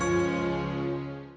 jangan keluarin raya